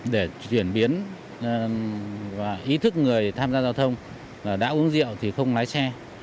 để chuyển biến ý thức người tham gia giao thông đã uống rượu thì không lái xe